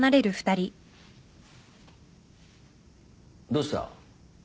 どうした？